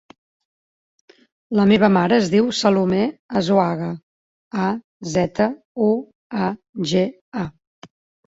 La meva mare es diu Salomé Azuaga: a, zeta, u, a, ge, a.